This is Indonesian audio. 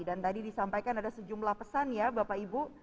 dan tadi disampaikan ada sejumlah pesan ya bapak ibu